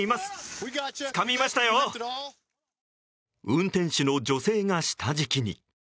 運転手の女性が下敷きに。